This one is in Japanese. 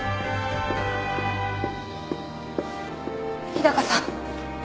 日高さん。